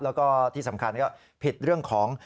แล้วก็ที่สำคัญก็ผิดเรื่องของ